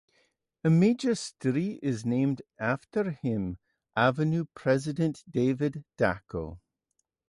A major street is named after him, Avenue President David Dacko.